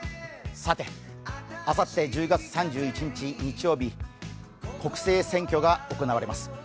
さて、あさって１０月３１日日曜日国政選挙が行われます。